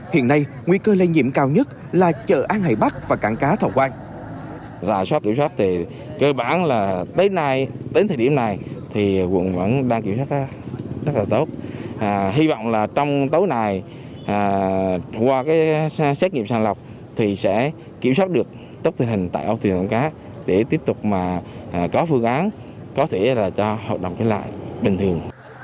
hiện nay nguy cơ lây nhiễm cao nhất là chợ an hải bắc và cảng cá thảo quang